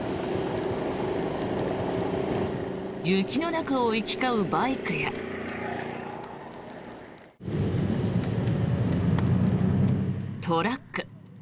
雪の中を行き交うバイクやトラック。